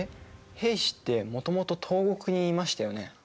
平氏ってもともと東国にいましたよね？